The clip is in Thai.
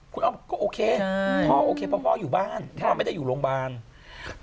คุณอ้อมก็โอเคพ่อโอเคเพราะพ่ออยู่บ้านพ่อไม่ได้อยู่โรงพยาบาล